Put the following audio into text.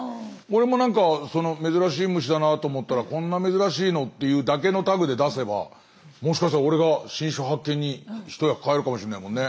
俺もなんか珍しい虫だなと思ったらこんな珍しいのっていうだけのタグで出せばもしかしたら俺が新種発見に一役買えるかもしれないもんね。